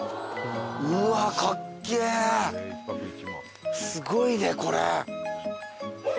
うわかっけぇすごいねこれ。